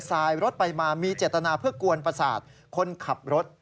สายรถไปมามีเจตนาเพื่อกวนประสาทคนขับรถ